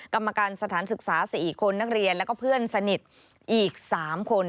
กรรมการสถานศึกษา๔คนนักเรียนแล้วก็เพื่อนสนิทอีก๓คน